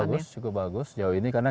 cukup bagus cukup bagus jauh ini karena